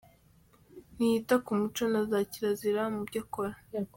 Ntiyita ku muco na za kirazira mu byo akora .